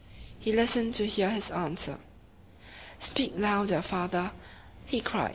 He listened to hear his answer. "Speak louder, father!" he cried.